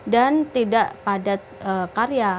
dan tidak padat karya